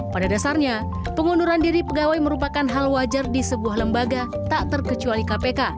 pada dasarnya pengunduran diri pegawai merupakan hal wajar di sebuah lembaga tak terkecuali kpk